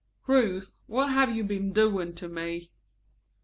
"Ruth, what have you been doing to me?"